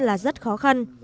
là rất khó khăn